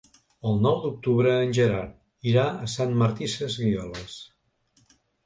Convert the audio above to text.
El nou d'octubre en Gerard irà a Sant Martí Sesgueioles.